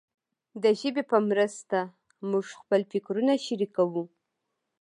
د ژبې په مرسته موږ خپل فکرونه شریکوو.